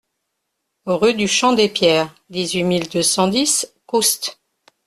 Rue du Champ des Pierres, dix-huit mille deux cent dix Coust